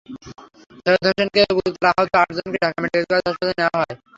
সৈয়দ হোসেনসহ গুরুতর আহত আটজনকে ঢাকা মেডিকেল কলেজ হাসপাতালে নেওয়া হয়।